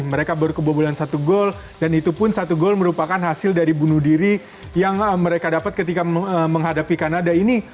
mereka baru kebobolan satu gol dan itu pun satu gol merupakan hasil dari bunuh diri yang mereka dapat ketika menghadapi kanada ini